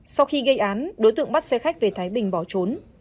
sau khi gây án đối tượng bắt xe khách về thái bình bỏ trốn